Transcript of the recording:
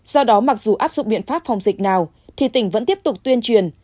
do đó mặc dù áp dụng biện pháp phòng dịch nào thì tỉnh vẫn tiếp tục tuyên truyền